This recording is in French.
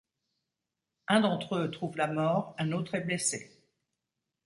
Un d'entre eux trouve la mort, un autre est blessé.